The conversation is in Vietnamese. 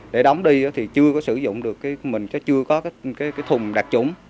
để đóng đi thì chưa có sử dụng được mình chưa có cái thùng đặt trúng